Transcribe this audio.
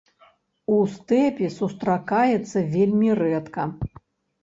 У стэпе сустракаецца вельмі рэдка.